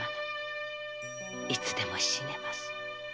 いつでも死ねます。